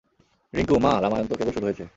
রিংকু, মা, রামায়ণ তো কেবল শুরু হয়েছে।